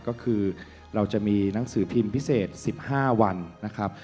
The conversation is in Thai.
ก็คือเราจะมีหนังสือพิมพ์พิเศษ๑๕วันนะครับ